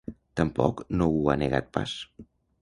Tampoc no ho ha negat pas.